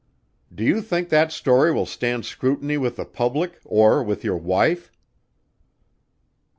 Do you think that story will stand scrutiny with the public or with your wife?"